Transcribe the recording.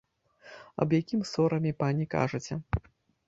Аб якім сораме, пані, кажаце?